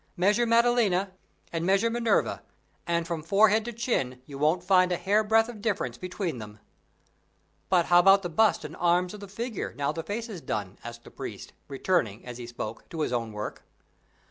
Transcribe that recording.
Measure Maddalena, and measure Minerva, and from forehead to chin, you won't find a hair breadth of difference between them." "But how about the bust and arms of the figure, now the face is done?" asked the priest, returning, as he spoke, to his own work.